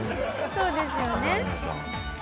そうですよね。